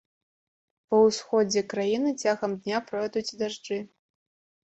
Па ўсходзе краіны цягам дня пройдуць дажджы.